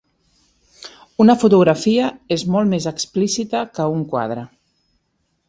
Una fotografia és molt més explícita que un quadre.